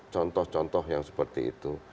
contoh contoh yang seperti itu